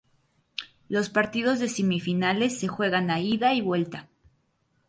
Los partidos de semifinales se juegan a ida y vuelta.